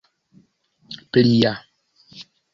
plia